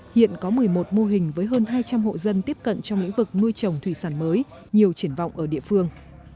hiện có một mươi một mô hình với hơn hai trăm linh hộ dân tiếp cận trong lĩnh vực nuôi trồng thủy sản mới nhiều triển vọng ở địa phương